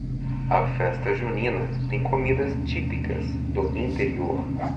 A Festa junina tem comidas típicas do interior